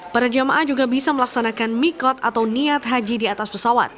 para jamaah juga bisa melaksanakan mikot atau niat haji di atas pesawat